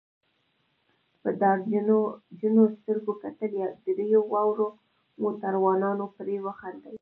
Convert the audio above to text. په ډار جنو سترګو کتل، دریو واړو موټروانانو پرې وخندل.